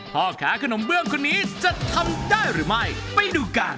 พ่อค้าขนมเบื้องคนนี้จะทำได้หรือไม่ไปดูกัน